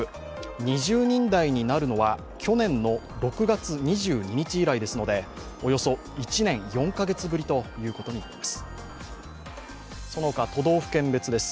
２０人台になるのは去年の６月２２日以来ですのでおよそ１年４カ月ぶりということになります。